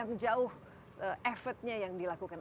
yang jauh efeknya yang dilakukan